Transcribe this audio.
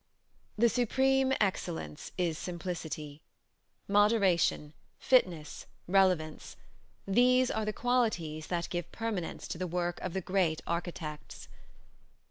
The supreme excellence is simplicity. Moderation, fitness, relevance these are the qualities that give permanence to the work of the great architects.